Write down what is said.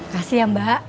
kasih ya mbak